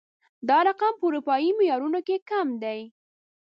دا رقم په اروپايي معيارونو کې کم دی